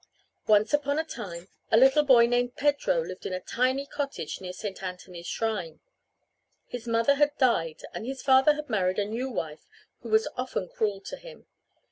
Once upon a time a little boy named Pedro lived in a tiny cottage near St. Anthony's shrine. His mother had died and his father had married a new wife who was often cruel to him.